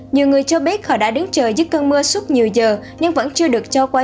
nhiều người cho biết họ đã đứng chờ dưới cơn mưa suốt nhiều giờ nhưng vẫn chưa được cho quay